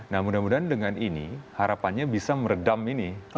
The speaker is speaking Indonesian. nah mudah mudahan dengan ini harapannya bisa meredam ini